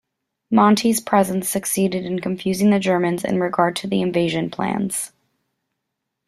"Monty's" presence succeeded in confusing the Germans in regard to the invasion plans.